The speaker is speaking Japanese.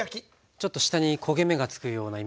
ちょっと下に焦げ目がつくようなイメージ。